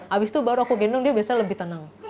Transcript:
abis itu baru aku gendong dia biasanya lebih tenang